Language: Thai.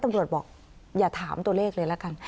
บอกอย่าถามตัวเลขเลยละกัน